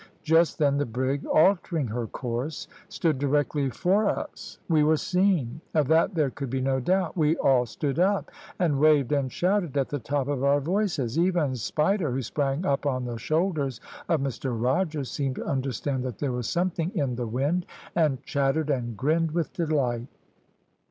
"Just then the brig, altering her course, stood directly for us. We were seen; of that there could be no doubt. We all stood up, and waved and shouted at the top of our voices; even Spider, who sprang up on the shoulders of Mr Rogers, seemed to understand that there was something in the wind, and chattered and grinned with delight.